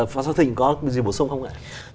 phó giáo thịnh có gì bổ sung không ạ